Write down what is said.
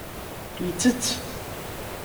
Yettett.